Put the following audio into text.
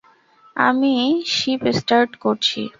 আমি ship start করছি।